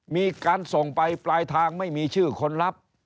มีการส่งไปปลายทางไม่มีชื่อคนรับ